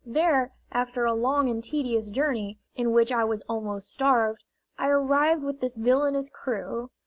There, after a long and tedious journey, in which I was almost starved, I arrived with this villainous crew.